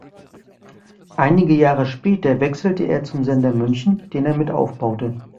Einige Jahre später wechselte er zum Sender München, den er mit aufbaute.